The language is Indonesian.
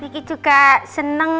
q juga seneng